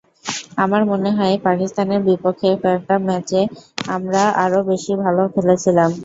আমার মনে হয়, পাকিস্তানের বিপক্ষে কয়েকটি ম্যাচে আমরা আরও বেশি ভালো খেলেছিলাম।